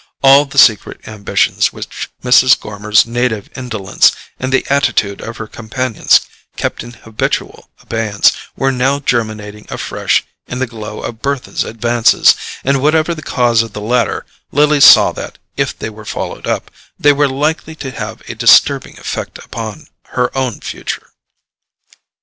All the secret ambitions which Mrs. Gormer's native indolence, and the attitude of her companions, kept in habitual abeyance, were now germinating afresh in the glow of Bertha's advances; and whatever the cause of the latter, Lily saw that, if they were followed up, they were likely to have a disturbing effect upon her own future.